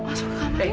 masuk ke kamar yuk